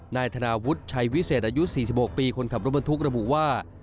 นายธนาวุฒิชัยวิเศษอายุ๔๖ปีคนขับรถบรรทุกระบุว่า